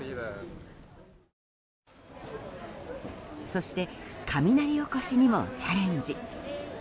そして、雷おこしにもチャレンジ。